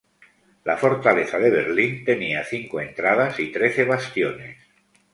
La Fortaleza de Berlín tenía cinco entradas y trece bastiones.